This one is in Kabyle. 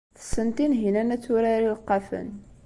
Tessen Tinhinan ad turar ileqqafen.